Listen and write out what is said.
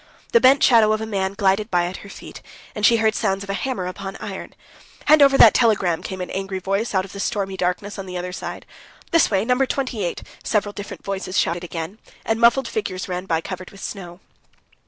The bent shadow of a man glided by at her feet, and she heard sounds of a hammer upon iron. "Hand over that telegram!" came an angry voice out of the stormy darkness on the other side. "This way! No. 28!" several different voices shouted again, and muffled figures ran by covered with snow.